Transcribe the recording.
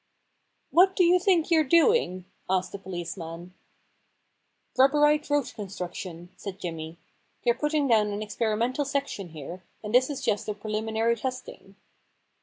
* What do you think you're doing ?' asked the policeman. * Rubberite Road Construction,* said Jimmy. * They're putting down an experimental sec tion here, and this is just the preliminary testing.'